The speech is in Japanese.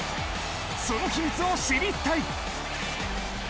その秘密を知りたい。